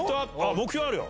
目標あるよ。